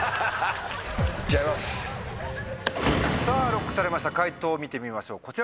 さぁＬＯＣＫされました解答見てみましょう。